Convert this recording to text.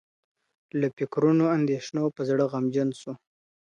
له فکرونو اندېښنو په زړه غمجن سو.